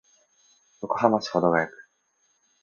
横浜市保土ケ谷区